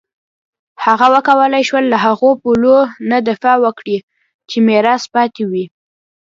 هغه وکولای شول له هغو پولو نه دفاع وکړي چې میراث پاتې وې.